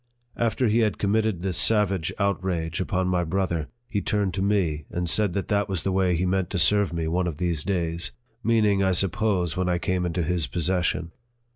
After he had committed this Ravage outrage upon my brother, he turned to me, and LIFE OF FREDERICK DOUGLASS. 41 said that was the way he meant to serve me one of these days, meaning, I suppose, when I came into his possession.